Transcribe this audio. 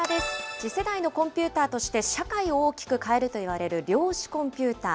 次世代のコンピューターとして社会を大きく変えるといわれる量子コンピューター。